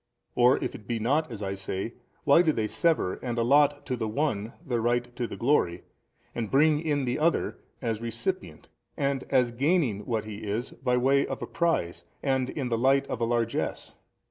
Or if it be not as I say, why do they sever and allot to the one the right to the glory, and bring in the other as recipient, and as gaining what he is by way of a prize and in the light of a largess?